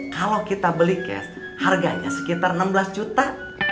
kalau kita beli cash harganya sekitar enam belas juta